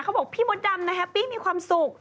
เขาบอกพี่มดดำนะฮะแฮปปี้มีความสุข